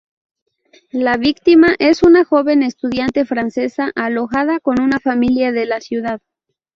La víctima es una joven estudiante francesa, alojada con una familia de la ciudad.